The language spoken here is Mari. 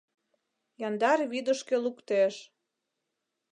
Яндар вӱдышкӧ луктеш.